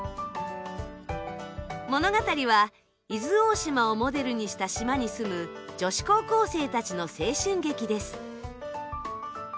物語は伊豆大島をモデルにした島に住む女子高校生たちの青春劇です。